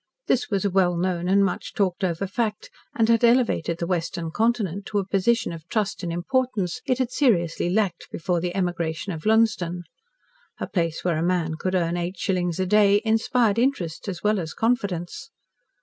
This was a well known and much talked over fact, and had elevated the western continent to a position of trust and importance it had seriously lacked before the emigration of Lunsden. A place where a man could earn eight shillings a day inspired interest as well as confidence.